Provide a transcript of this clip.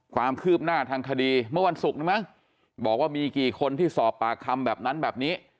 ความคืบหน้าทางคดีเมื่อวันศุกร์นี้มั้งบอกว่ามีกี่คนที่สอบปากคำแบบนั้นแบบนี้